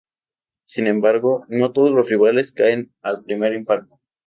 Sin embargo, no todos los rivales caen al primer impacto.